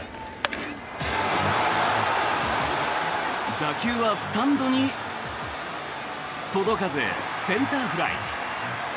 打球はスタンドに届かずセンターフライ。